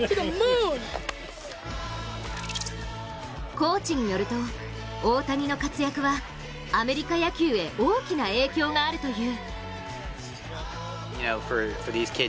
コーチによると、大谷の活躍はアメリカ野球へ大きな影響があるという。